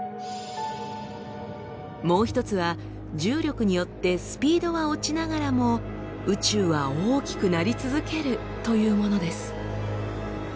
もう一つは重力によってスピードは落ちながらも宇宙は大きくなり続けるというものです。